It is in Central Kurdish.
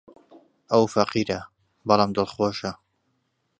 ئەو فەقیرە، بەڵام دڵخۆشە.